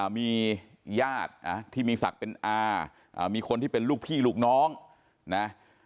มีญาติที่มีศักดิ์เป็นอามีคนที่เป็นลูกพี่ลูกน้องนะ